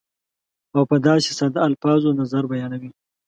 او په داسې ساده الفاظو نظر بیانوي